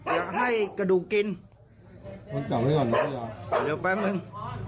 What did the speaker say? อยากให้กระดูกกินเดี๋ยวแป๊บหนึ่ง